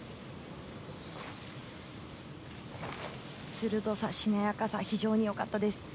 鋭さ、しなやかさ非常に良かったです。